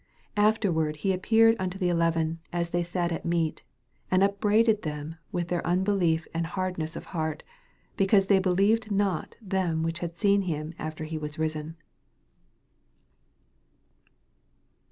14 Afterward he appeared unto th eleven as they sat at meat, and up braided them with their unbelief and hardness of heart, because they be lieved not them which nad seen him after he was risen.